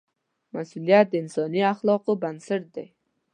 مسؤلیت د انساني اخلاقو بنسټ دی.